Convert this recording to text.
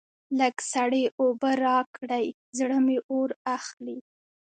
لږ سړې اوبه راکړئ؛ زړه مې اور اخلي.